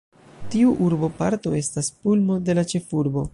Tiu urboparto estas pulmo de la ĉefurbo.